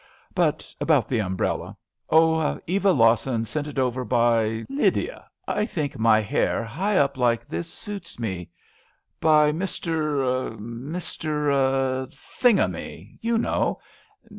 But about the umbrella. Oh, Eva Lawson sent it over by — Lydia, I think my hair high up like this suits me — by Mr. — Mr. Thing amm3' — you know.